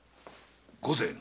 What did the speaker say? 御前。